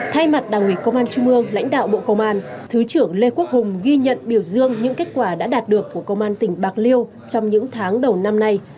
thay mặt đảng ủy công an trung ương lãnh đạo bộ công an thứ trưởng lê quốc hùng ghi nhận biểu dương những kết quả đã đạt được của công an tỉnh bạc liêu trong những tháng đầu năm nay